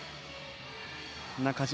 中島